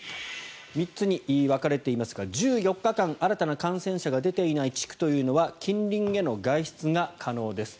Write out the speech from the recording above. ３つに分かれていますが１４日間新たな感染者が出ていない地区というのは近隣への外出が可能です。